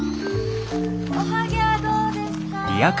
おはぎゃあどうですか？